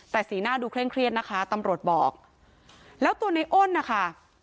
แต่สีหน้าดูเคร่งเครียดนะคะตำรวจบอกแล้วตัวในอ้นนะคะ